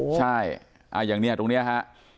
ใช่อย่างนี้ตรงนี้ฮะ